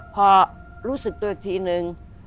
พอรู้สึกตัวอีกทีนึง